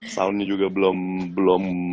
sound nya juga belum